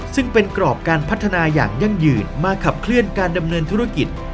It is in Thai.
ซึ่งเป็นกรอบการพัฒนาอย่างยั่งยืนมาขับเคลื่อนการดำเนินธุรกิจ